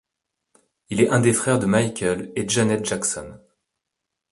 Il est un des frères de Michael et Janet Jackson.